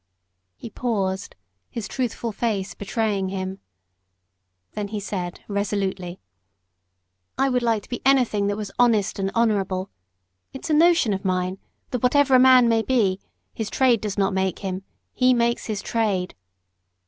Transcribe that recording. He paused his truthful face betraying him. Then he said, resolutely, "I would like to be anything that was honest and honourable. It's a notion of mine, that whatever a man may be, his trade does not make him he makes his trade.